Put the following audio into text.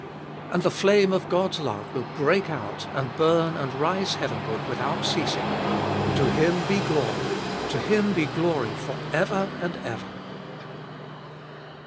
And the flame of God's love will break out and burn and rise heavenward without ceasing : To Him be glory ! to Him be glory for ever and ever